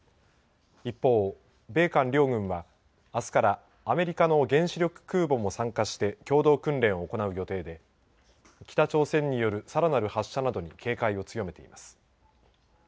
一方、米韓両軍はあすからアメリカの原子力空母も参加して共同訓練を行う予定で北朝鮮によるさらなる発射などに警戒を強めています。